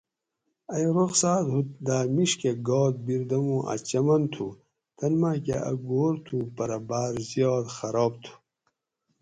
ائ رخصات ہوت دا میڛ کہ گات بیر دمو اۤ چمن تھو تن ماۤکہ اۤ گھور تھو پرہ باۤر زیات خراب تھو